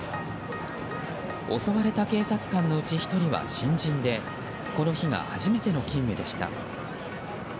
襲われた警察官のうち１人は新人でこの日が初めての勤務でした。